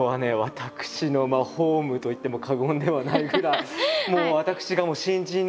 私のホームと言っても過言ではないぐらい。